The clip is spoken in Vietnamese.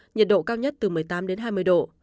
nhiệt độ cao nhất từ một mươi tám đến hai mươi độ